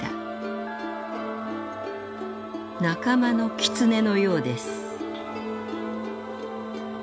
「仲間のキツネのようです」。